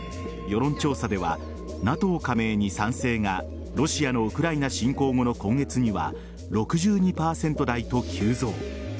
世論調査ではＮＡＴＯ加盟に賛成がロシアのウクライナ侵攻後の今月には６２％台と急増。